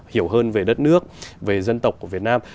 hiểu hơn về đất nước về dân tộc của việt nam